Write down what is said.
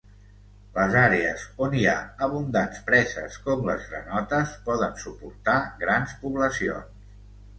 Les àrees on hi ha abundants preses com les granotes poden suportar grans poblacions.